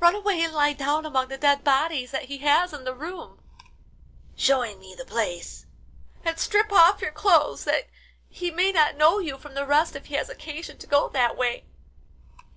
Run away and lie down among the dead bodies that he has in the room (showing me the place), and strip off your clothes that he may not know you from the rest if he has occasion to go that way."